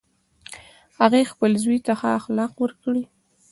هغې خپل زوی ته ښه اخلاق ورکړی